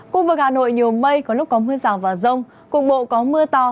khu vực hà nội nhiều mây có lúc có mưa rào và rông cục bộ có mưa to